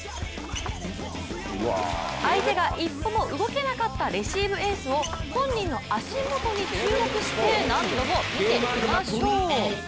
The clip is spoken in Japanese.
相手が一歩も動けなかったレシーブエースを本人の足元に注目して何度も見てみましょう。